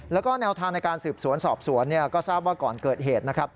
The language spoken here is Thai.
แล้วก็แนวทางในการสืบสวนสอบสวนก็ทราบว่าก่อนเกิดเหตุนะครับ